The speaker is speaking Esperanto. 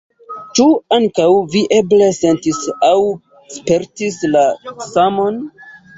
Ĉu ankaŭ vi eble sentis aŭ spertis la samon?